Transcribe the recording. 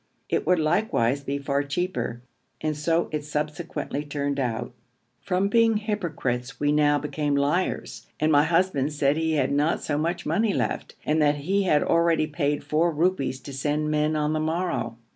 It would likewise be far cheaper, and so it subsequently turned out. From being hypocrites we now became liars, and my husband said he had not so much money left, and that he had already paid four rupees to send men on the morrow.